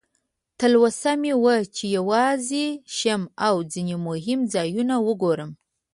تلوسه مې وه چې یوازې شم او ځینې مهم ځایونه وګورم.